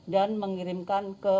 dan mengirimkan ke